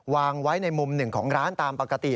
วางไว้ในมุมหนึ่งของร้านตามปกติ